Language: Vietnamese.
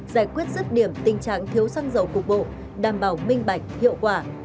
giải quyết rứt điểm tình trạng thiếu xăng dầu cục bộ đảm bảo minh bạch hiệu quả